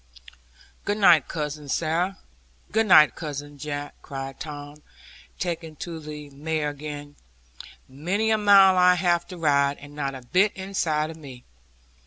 'Good night, Cousin Sarah, good night, Cousin Jack,' cried Tom, taking to the mare again; 'many a mile I have to ride, and not a bit inside of me.